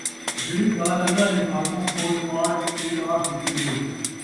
جِہڑی ڳالھ اللہ نے تُہاکوں کھول پاڑ تے آکھ ݙِتی ہے ،